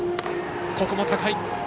ここも高い。